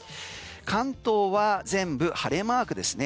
関東は全部晴れマークですね